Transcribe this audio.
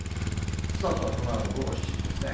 スタートはこのあと午後７時ですね。